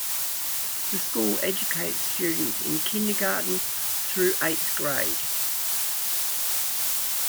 The school educates students in kindergarten through eighth grade.